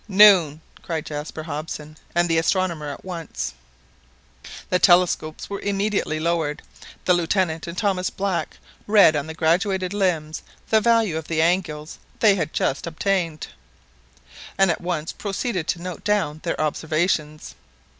"Noon!" cried Jaspar Hobson and the astronomer at once. The telescopes were immediately lowered. The Lieutenant and Thomas Black read on the graduated limbs the value of the angles they had just obtained, and at once proceeded to note down their observations.